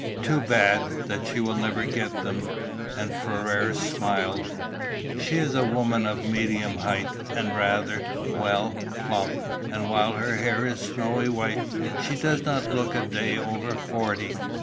"Too bad that she will never get them!" And Ferrars smiled. "She is a woman of medium height, and rather well plump, and while her hair is snowy white, she does not look a day over forty.